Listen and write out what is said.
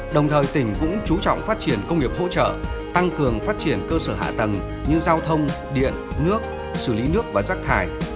đồng thời tỉnh cũng chú trọng phát triển công nghiệp hỗ trợ tăng cường phát triển cơ sở hạ tầng như giao thông điện nước xử lý nước và rác thải